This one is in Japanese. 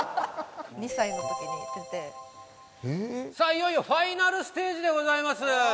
いよいよファイナルステージでございます。